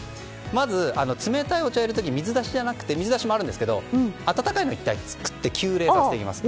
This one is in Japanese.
まず冷たいお茶を入れるときに水出しじゃなくて水出しもあるんですけど温かいのを１回作って急冷させます。